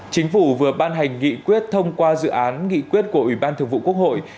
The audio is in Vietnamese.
chính phủ vừa ban hành nghị quyết thông qua dự án nghị quyết của ủy ban thường vụ quốc hội